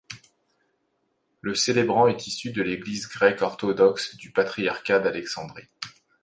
Le célébrant est issu de l'Église grecque orthodoxe du patriarcat d'Alexandrie.